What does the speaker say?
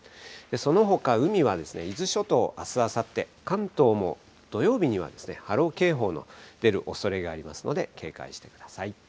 そのほか、海は伊豆諸島、あす、あさって、関東も土曜日には波浪警報の出るおそれがありますので、警戒してください。